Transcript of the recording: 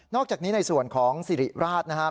อกจากนี้ในส่วนของสิริราชนะครับ